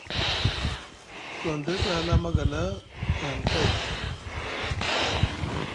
Gondes a hala a magala ahani pay.